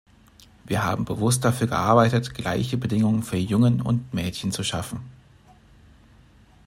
Wir haben bewusst dafür gearbeitet, gleiche Bedingungen für Jungen und Mädchen zu schaffen.